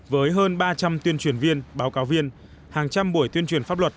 với hơn ba trăm linh tuyên truyền viên báo cáo viên hàng trăm buổi tuyên truyền pháp luật